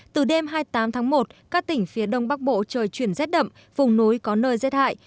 từ đêm hai mươi tám tháng một các tỉnh phía đông bắc bộ trời chuyển rét đậm vùng núi có nơi rét hại